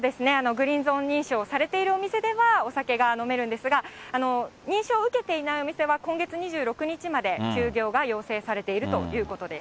グリーン・ゾーン認証をされているお店では、お酒が飲めるんですが、認証を受けていないお店は今月２６日まで、休業が要請されているということです。